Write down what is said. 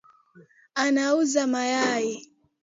Anauza mayai